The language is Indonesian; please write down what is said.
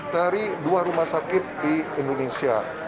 dari dua rumah sakit di indonesia